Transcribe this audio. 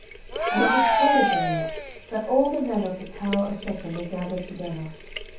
07:009:047 And it was told Abimelech, that all the men of the tower of Shechem were gathered together.